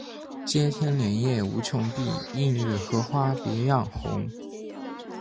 接天莲叶无穷碧，映日荷花别样红。